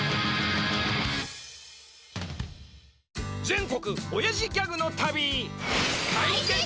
全国おやじギャグの旅！